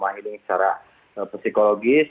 trauma healing secara psikologis